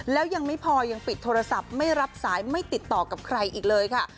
แล้วยังไม่พอยังปิดโทรศัพท์ไม่รับสายไม่ติดต่อกับใครอีกเลยค่ะ